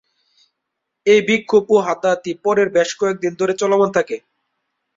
এই বিক্ষোভ ও হাতাহাতি পরের বেশ কয়েকদিন ধরে চলমান থাকে।